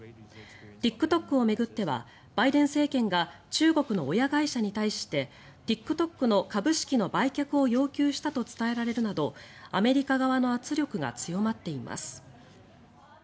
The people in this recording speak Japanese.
ＴｉｋＴｏｋを巡ってはバイデン政権が中国の親会社に対してＴｉｋＴｏｋの株式の売却を要求したと伝えられるなどアメリカ側の圧力が強まっています。